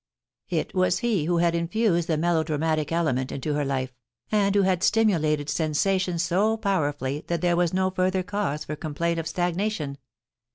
It was he who had infused the melodramatic element into her life, and who had stimulated sensation so powerfully that there was no further cause for complaint of stagnation.